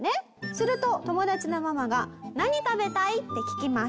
すると友達のママが「何食べたい？」って聞きます。